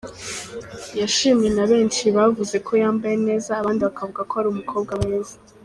Yashimwe na benshi bavuze ko yambaye neza abandi bakavuga ko ari umukobwa mwiza.